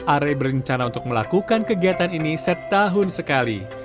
are berencana untuk melakukan kegiatan ini setahun sekali